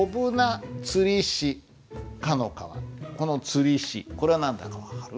この「つりし」これは何だか分かる？